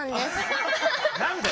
何で？